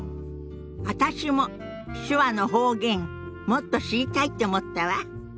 私も手話の方言もっと知りたいって思ったわ。